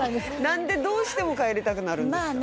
何でどうしても帰りたくなるんですか？